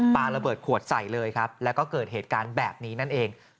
ปลาระเบิดขวดใส่เลยครับแล้วก็เกิดเหตุการณ์แบบนี้นั่นเอง